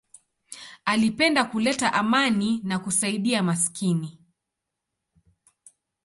Alipenda kuleta amani na kusaidia maskini.